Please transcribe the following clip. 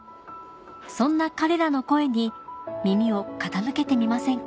そんな彼らの声に耳を傾けてみませんか？